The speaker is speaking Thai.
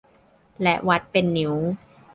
และวัดเป็นนิ้ว